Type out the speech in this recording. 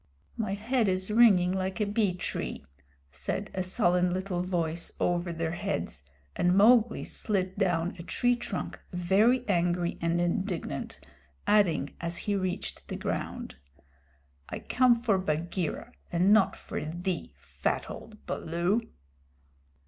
"My head is ringing like a bee tree," said a sullen little voice over their heads, and Mowgli slid down a tree trunk very angry and indignant, adding as he reached the ground: "I come for Bagheera and not for thee, fat old Baloo!"